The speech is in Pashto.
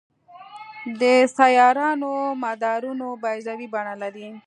د سیارونو مدارونه بیضوي بڼه لري.